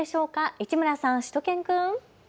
市村さん、しゅと犬くん。